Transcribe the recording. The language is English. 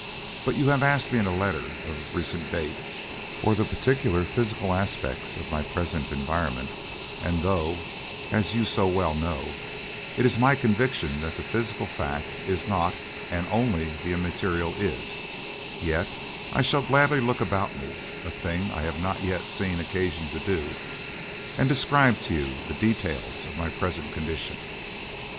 "But you have asked me in letter of recent date for the particular physical aspects of my present environment, and though (as you so well know) it is my conviction that the physical fact is not and only the immaterial is, yet I shall gladly look about me a thing I have not yet seen occasion to do and describe to you the details of my present condition."